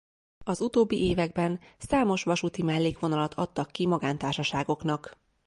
Az utóbbi években számos vasúti mellékvonalat adtak ki magántársaságoknak.